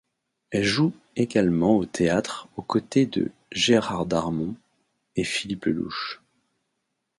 Elle joue également au théâtre aux côtés de Gérard Darmon et Philippe Lellouche.